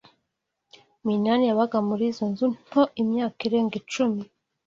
Minani yabaga muri iyo nzu nto imyaka irenga icumi.